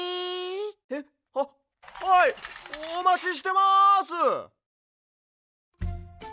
へっ？ははいおまちしてます！